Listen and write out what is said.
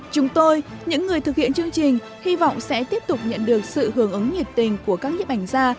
chúng tôi những người thực hiện chương trình hy vọng sẽ tiếp tục nhận được sự hưởng ứng nhiệt tình của các nhiếp ảnh gia